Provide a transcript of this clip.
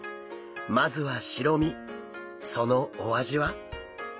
まずは白身そのお味は？